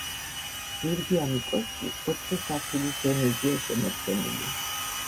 ზურგიანი კოშკი ოთხი სართულის დონეზეა შემორჩენილი.